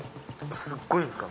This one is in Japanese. すっごいんすか？